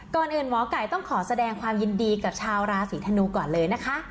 ก่อนอื่นหมอไก่ต้องขอแสดงความยินดีกับชาวราศีธนูก่อนเลยนะคะ